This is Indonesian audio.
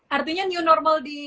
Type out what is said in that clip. artinya new normal di